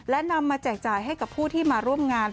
และนำมาแจกจ่ายให้กับผู้ที่มาร่วมงาน